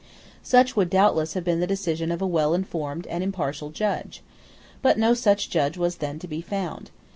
Such would doubtless have been the decision of a well informed and impartial judge. But no such judge was then to be found.